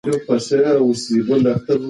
هر ماشوم د خپلې مورنۍ ژبې زده کړه حق لري.